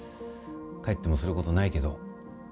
帰ってもすることないけど。